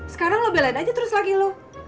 sekarang lu belain aja terus lagi lu